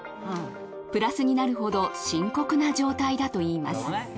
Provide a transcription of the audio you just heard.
プラスになるほど深刻な状態だといいます。